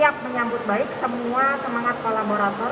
siap menyambut baik semua semangat kolaborator